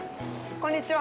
こんにちは。